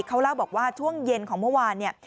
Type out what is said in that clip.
เขาเล่าบอกว่าช่วงเย็นของเมื่อวานเนี่ย